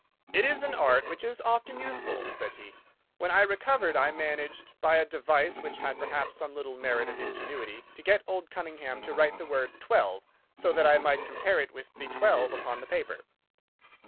"It is an art which is often useful," said he. "When I recovered I managed, by a device which had perhaps some little merit of ingenuity, to get old Cunningham to write the word 'twelve,' so that I might compare it with the 'twelve' upon the paper."